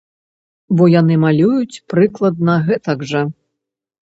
Бо яны малююць прыкладна гэтак жа.